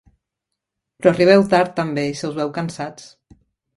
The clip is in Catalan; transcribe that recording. Però arribeu tard també i se us veu cansats.